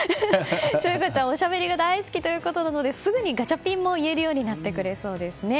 柊花ちゃん、おしゃべりが大好きということなのですぐにガチャピンも言えるようになってくれそうですね。